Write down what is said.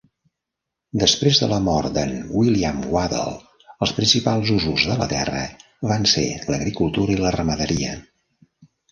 Després de la mort de"n William Waddell, els principals usos de la terra van ser l"agricultura i la ramaderia.